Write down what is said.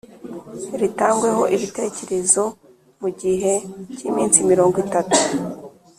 ritangweho ibitekerezo mu gihe cy iminsi mirongo itatu